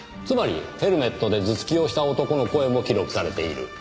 つまりヘルメットで頭突きをした男の声も記録されている。